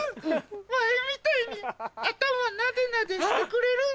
前みたいに頭ナデナデしてくれる？